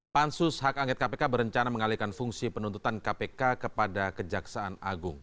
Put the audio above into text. pansus hak angket kpk berencana mengalihkan fungsi penuntutan kpk kepada kejaksaan agung